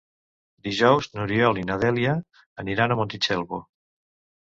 Dijous n'Oriol i na Dèlia aniran a Montitxelvo.